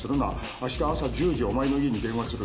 明日朝１０時お前の家に電話する。